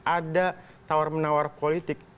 ada tawar menawar politik